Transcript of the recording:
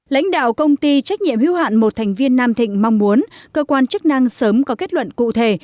lãnh đạo công ty trách nhiệm hưu hạn một thành viên nam thịnh mong muốn cơ quan chức năng sớm có kết luận cụ thể